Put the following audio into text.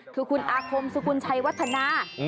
คือคุณอาคมสกุลชัยวัฒนา